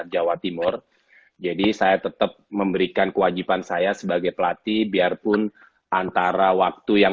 jawa timur jadi saya tetap memberikan kewajiban saya sebagai pelatih biarpun antara waktu yang